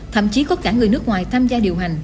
thậm chí có cả người nước ngoài tham gia điều hành